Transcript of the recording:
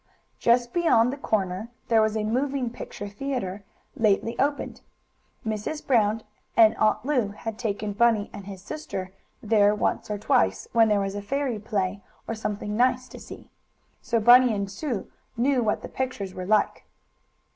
Just beyond the corner there was a moving picture theatre, lately opened. Mrs. Brown and Aunt Lu had taken Bunny and his sister there once or twice, when there was a fairy play, or something nice to see, so Bunny and Sue knew what the moving pictures were like.